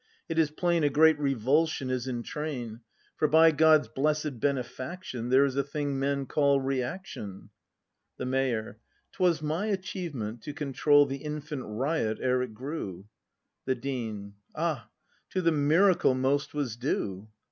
It is plain A great revulsion is in train; For, by God's blessed benefaction. There is a thing men call Reaction. The Mayor. 'Twas my achievement, to control The infant riot ere it grew. The Dean. Ah, to the miracle most was due.